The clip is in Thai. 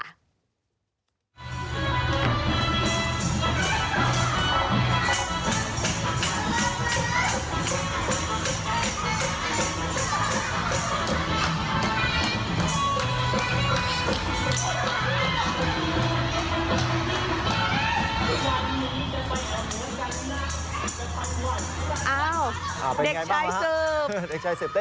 อ้าวเด็กชายเสิร์ฟ